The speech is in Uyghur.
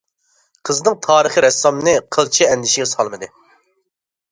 قىزنىڭ تارىخى رەسسامنى قىلچە ئەندىشىگە سالمىدى.